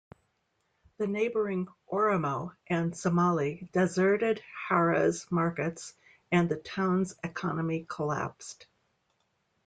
The neighboring Oromo and Somali deserted Harar's markets and the town's economy collapsed.